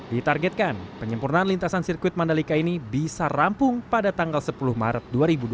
ditargetkan penyempurnaan lintasan sirkuit mandalika ini bisa rampung pada tanggal sepuluh maret dua ribu dua puluh